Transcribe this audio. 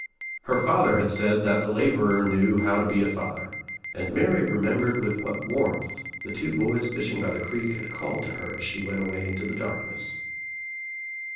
Her father had said that the laborer knew how to be a father and Mary remembered with what warmth the two boys fishing by the creek had called to her as she went away Into the darkness.